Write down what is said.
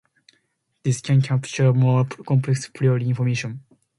This can capture more complex prior information.